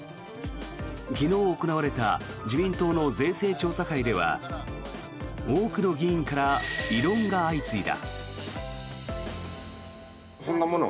昨日行われた自民党の税制調査会では多くの議員から異論が相次いだ。